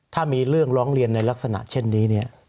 ถ้ามีเรื่องร้องเรียนในลักษณะเช่นนี้เนี่ย